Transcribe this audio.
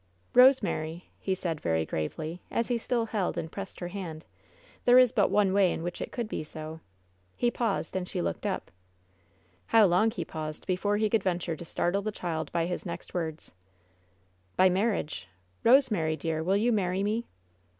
"Rosemary," he said, very gravely, as he still held and pressed her hand, "there is but one way in which it could be so." 26 WHEN SHADOWS DIE He paused, and she looked up. How long he paused before he could venture to startle the child by his next words: "By marriage. Kosemary, dear, will you marry me?"